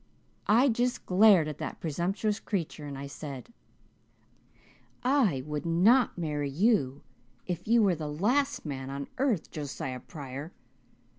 "I just glared at that presumptuous creature and I said, 'I would not marry you if you were the last man on earth, Josiah Pryor.